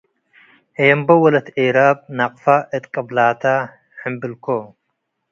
ኤምቦ ወለት ኤራብ ነቅፈ እት ቅብላተ ሕምብልኮ